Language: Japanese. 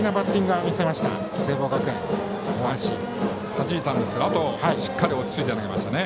はじいたあとしっかり落ち着いて投げましたね。